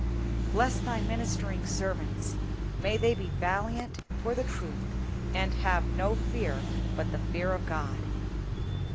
Bless Thy ministering servants; may they be valiant for the truth, and have no fear but the fear of God.